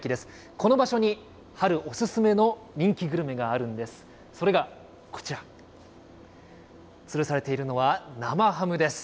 この場所に春お勧めの人気グルメがあるんです。